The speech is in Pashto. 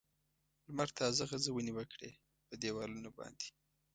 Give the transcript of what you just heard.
لمر تازه غځونې وکړې په دېوالونو باندې.